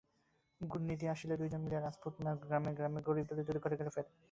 গুণনিধি আসিলে দুইজনে মিলিয়া রাজপুতানার গ্রামে গ্রামে গরীব দরিদ্রদের ঘরে ঘরে ফের।